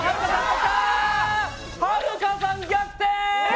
はるかさん逆転！